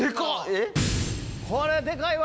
えっ？